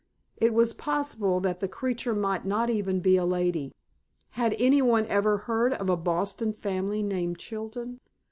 It was possible that the creature might not even be a lady. Had any one ever heard of a Boston family named Chilton?